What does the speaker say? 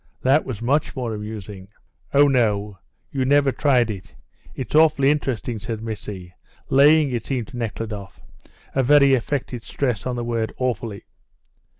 That was much more amusing." "Oh, no, you never tried it; it's awfully interesting," said Missy, laying, it seemed to Nekhludoff, a very affected stress on the word "awfully."